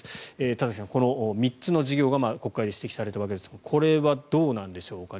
田崎さん、この３つの事業が国会で指摘されたわけですがこれはどうなんでしょうか。